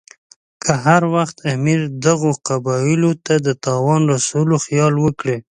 که هر وخت امیر دغو قبایلو ته د تاوان رسولو خیال وکړي.